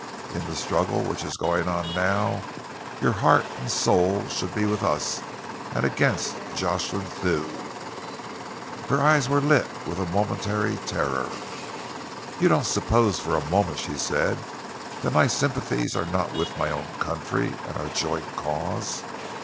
In the struggle which is going on now, your heart and soul should be with us and against Jocelyn Thew." Her eyes were lit with a momentary terror. "You don't suppose for a moment," she said, "that my sympathies are not with my own country and our joint cause?"